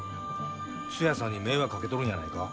ツヤさんに迷惑かけとるんやないか？